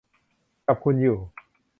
กับคุณอยู่